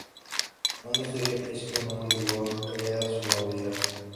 Una historia es que un hombre-tiburón hereda su habilidad.